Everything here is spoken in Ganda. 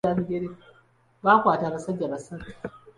Baakwata abasajja basatu.